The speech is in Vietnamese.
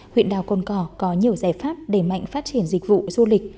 huyện đảo cồn cỏ có nhiều giải pháp đẩy mạnh phát triển dịch vụ du lịch